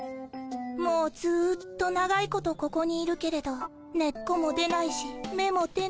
もうずっと長いことここにいるけれど根っこも出ないしめも出ない。